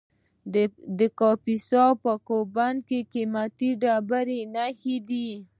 د کاپیسا په کوه بند کې د قیمتي ډبرو نښې دي.